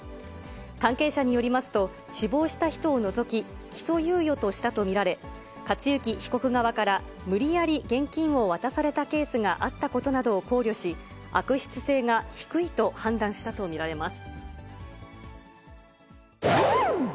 関係者によりますと、死亡した人を除き、起訴猶予としたと見られ、克行被告側から無理やり現金を渡されたケースがあったことなどを考慮し、悪質性が低いと判断したと見られます。